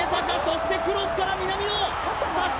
そしてクロスから南野さあ